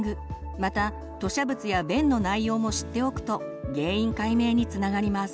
また吐しゃ物や便の内容も知っておくと原因解明につながります。